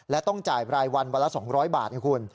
และต้องจ่ายรายวันเมื่อ๒๐๐บาทดีกว่าระคุณ